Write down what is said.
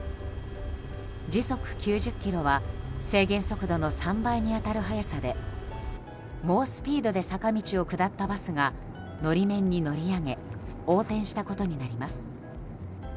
時速９０キロは制限速度の３倍に当たる速さで猛スピードで坂道を下ったバスが法面に乗り上げ横転したことになります。